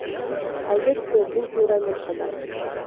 Албетте, бул туура эмес кадам.